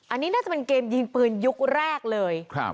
อันนี้น่าจะเป็นเกมยิงปืนยุคแรกเลย